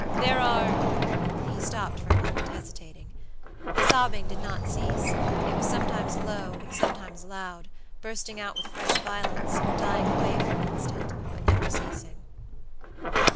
There are" he stopped for a moment hesitating. The sobbing did not cease; it was sometimes low, sometimes loud, bursting out with fresh violence, or dying away for an instant, but never ceasing.